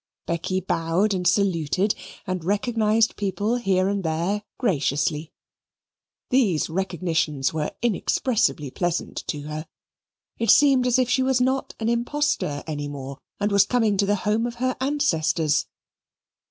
Becky bowed and saluted, and recognized people here and there graciously. These recognitions were inexpressibly pleasant to her. It seemed as if she was not an imposter any more, and was coming to the home of her ancestors.